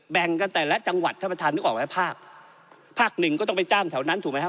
แบ่งกันแต่ละจังหวัดท่านประธานนึกออกไหมภาคภาคหนึ่งก็ต้องไปจ้างแถวนั้นถูกไหมครับ